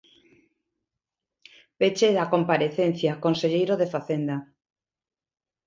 Peche da comparecencia, conselleiro de Facenda.